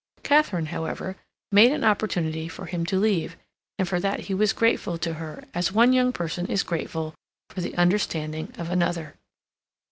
Katharine, however, made an opportunity for him to leave, and for that he was grateful to her, as one young person is grateful for the understanding of another.